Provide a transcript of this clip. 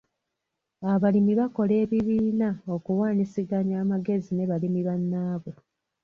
Abalimi bakola ebibiina okuwaanyisiganya amagezi ne balimi bannaabwe.